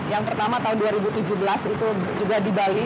yang pertama tahun dua ribu tujuh belas itu juga di bali